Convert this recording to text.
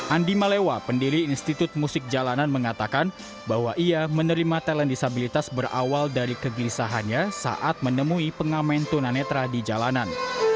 andi malewa pendiri institut musik jalanan mengatakan bahwa ia menerima talent disabilitas berawal dari kegelisahannya saat menemui pengamen tunanetra di jalanan